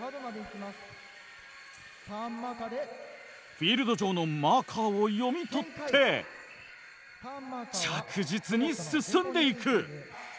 フィールド上のマーカーを読み取って着実に進んでいく。